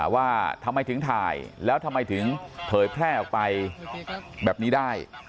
ว่าทำไมถึงถ่ายแล้วทำไมถึงเผยแพร่ออกไปแบบนี้ได้